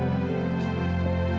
kenapa kamu tidur di sini sayang